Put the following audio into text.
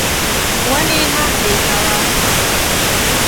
ونې مه پرې کوه.